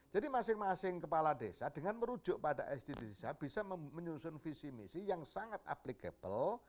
jadi masing masing kepala desa dengan merujuk pada sdgs bisa menyusun visi misi yang sangat applicable